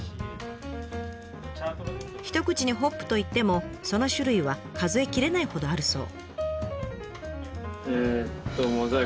一口にホップといってもその種類は数え切れないほどあるそう。